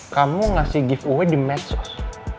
kamu ngasih giveaway di medsos